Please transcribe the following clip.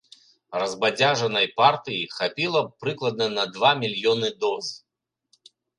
Разбадзяжанай партыі хапіла б прыкладна на два мільёны доз.